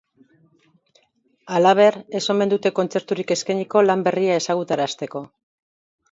Halaber, ez omen dute kontzerturik eskainiko lan berria ezagutarazteko.